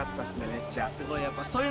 めっちゃ。